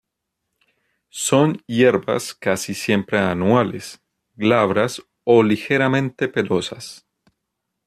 Son hierbas casi siempre anuales, glabras o ligeramente pelosas.